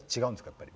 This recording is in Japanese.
やっぱり。